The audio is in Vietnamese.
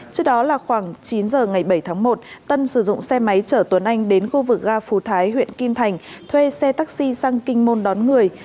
trước đó là khoảng chín giờ ngày bảy tháng một tân sử dụng xe máy chở tuấn anh đến khu vực ga phú thái huyện kim thành thuê xe taxi sang kinh môn đón người